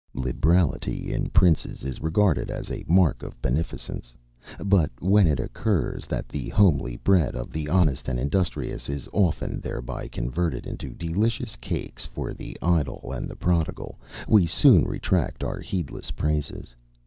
Liberality in princes is regarded as a mark of beneficence. But when it occurs, that the homely bread of the honest and industrious is often thereby converted into delicious cakes for the idle and the prodigal, we soon retract our heedless praises.